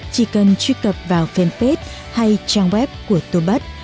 chỉ cần truy cập vào fanpage hay trang web của tourbud